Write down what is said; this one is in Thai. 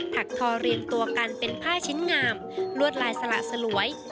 ักทอเรียงตัวกันเป็นผ้าชิ้นงามลวดลายสละสลวย